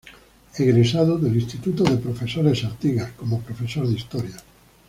Egresado del Instituto de Profesores Artigas como profesor de Historia.